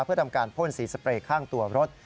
เพื่อทำการพ่นสีสเปรย์ข้างตัวรถ